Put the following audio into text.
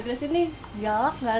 nggak sih nggak galak cuman ramah